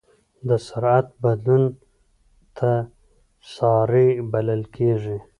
د سرعت بدلون تسارع بلل کېږي.